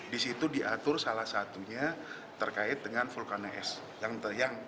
di situ diatur salah satunya terkait dengan vulkan es yang teriang